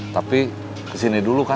tapi kesini dulu kan